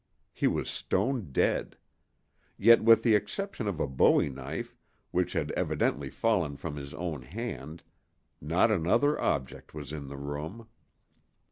He was stone dead. Yet, with the exception of a bowie knife, which had evidently fallen from his own hand, not another object was in the room.